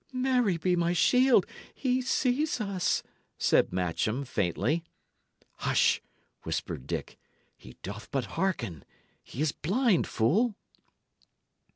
"Mary be my shield! He sees us!" said Matcham, faintly. "Hush!" whispered Dick. "He doth but hearken. He is blind, fool!"